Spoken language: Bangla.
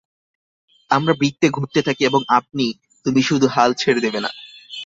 আমরা বৃত্তে ঘুরতে থাকি, এবং আপনি, তুমি শুধু হাল ছেড়ে দেবে না।